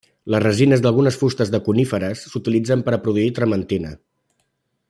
Les resines d'algunes fustes de coníferes s'utilitzen per a produir trementina.